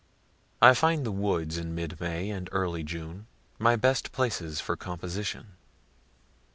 I find the woods in mid May and early June my best places for composition.